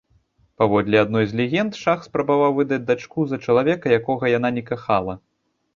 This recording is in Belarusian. Паводле адной з легенд шах спрабаваў выдаць дачку за чалавека, якога яна не кахала.